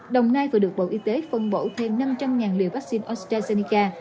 đồng nai vừa được bộ y tế phân bổ thêm năm trăm linh liều vaccine ostrazeneca